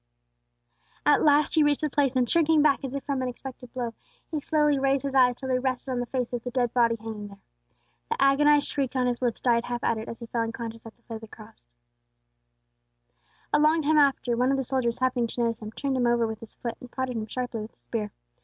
At last he reached the place, and, shrinking back as if from an expected blow, he slowly raised his eyes till they rested on the face of the dead body hanging there. The agonized shriek on his lips died half uttered, as he fell unconscious at the foot of the cross. A long time after, one of the soldiers happening to notice him, turned him over with his foot, and prodded him sharply with his spear.